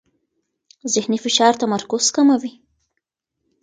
ذهني فشار تمرکز کموي.